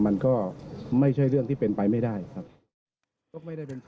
มันก็ไม่ใช่เรื่องที่เป็นไปไม่ได้ครับ